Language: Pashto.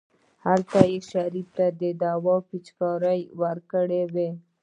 همالته يې شريف ته دوا پېچکاري کړې وه.